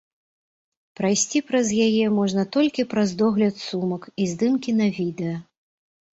Прайсці праз яе можна толькі праз догляд сумак і здымкі на відэа.